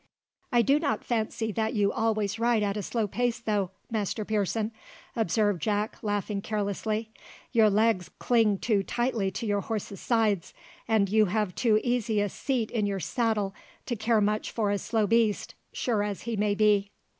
"I do not fancy that you always ride at a slow pace though, Master Pearson," observed Jack, laughing carelessly. "Your legs cling too tightly to your horse's sides, and you have too easy a seat in your saddle to care much for a slow beast, sure as he may be."